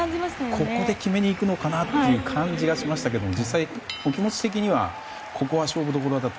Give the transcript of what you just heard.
ここで決めにいくのかなという感じがしましたが実際、お気持ち的にはここが勝負どころだったと？